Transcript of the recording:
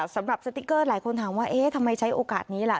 สติ๊กเกอร์หลายคนถามว่าเอ๊ะทำไมใช้โอกาสนี้ล่ะ